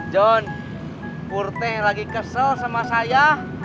john murteh lagi kesel sama saya